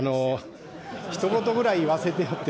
ひと言ぐらい言わせてよって。